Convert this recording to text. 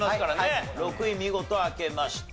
６位見事開けました。